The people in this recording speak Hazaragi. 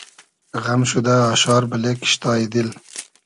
غئم شودۂ آشار بئلې کیشتای دیل